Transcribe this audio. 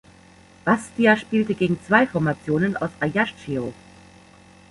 Bastia spielte gegen zwei Formationen aus Ajaccio.